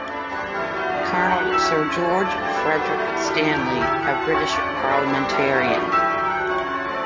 Colonel Sir George Fredrick Stanley, a British parliamentarian.